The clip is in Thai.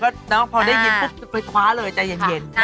ก็น้องพอได้ยินก็คุยคว้าเลยใจเย็น